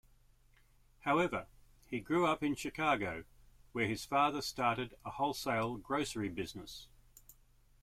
However, he grew up in Chicago where his father started a wholesale grocery business.